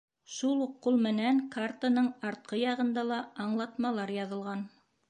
Шул уҡ ҡул менән картаның артҡы яғында ла аңлатмалар яҙылған.